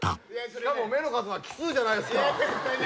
「しかも目の数が奇数じゃないですか」